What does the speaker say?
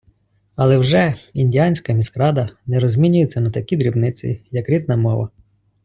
Але вже індіанська міськрада не розмінюється на такі дрібниці, як рідна мова.